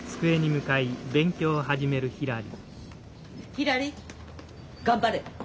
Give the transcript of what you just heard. ひらり頑張れ！